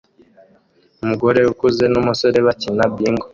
Umugore ukuze numusore bakina bingo